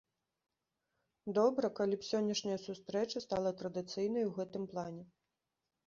Добра калі б сённяшняя сустрэча стала традыцыйнай у гэтым плане.